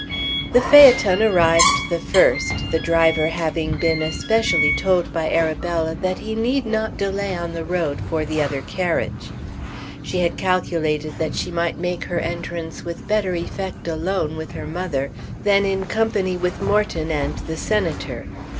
The phaeton arrived the first, the driver having been especially told by Arabella that he need not delay on the road for the other carriage. She had calculated that she might make her entrance with better effect alone with her mother than in company with Morton and the Senator.